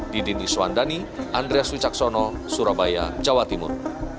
didini suandani andreas wicaksono surabaya jawa timur